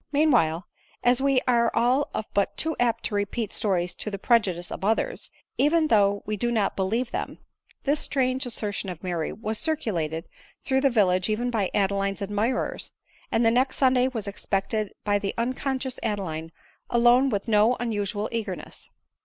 Meanwhile, as we are all of us but too apt to repeat stories to the prejudice of others, even though we do not believe them, this strange assertion of Mary was circulated through the village even by Adeline's admirers ; and the next Sunday was expected by the unconscious Adeline alone with no unusual eagerness.